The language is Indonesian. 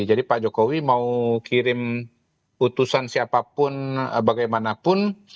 jadi pak jokowi mau kirim utusan siapapun bagaimanapun